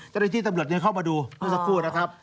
จะได้ที่ตำรวจนี้เข้ามาดูก็สักครู่นะครับ